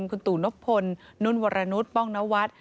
คุณตู่นพลนุ่นวรนุษย์ป้องนวัฒน์